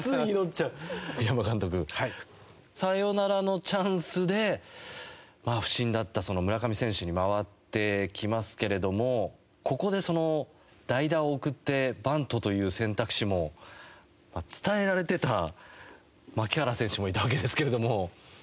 サヨナラのチャンスで不振だった村上選手に回ってきますけれどもここで代打を送ってバントという選択肢も伝えられてた牧原選手もいたわけですけれども。